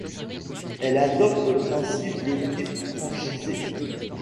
Elle adopte le principe d'équipes franchisées.